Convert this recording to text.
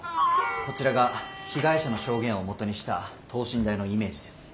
こちらが被害者の証言を基にした等身大のイメージです。